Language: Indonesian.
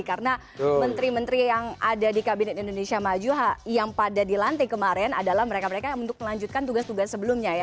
karena menteri menteri yang ada di kabinet indonesia maju yang pada dilantik kemarin adalah mereka mereka yang untuk melanjutkan tugas tugas sebelumnya ya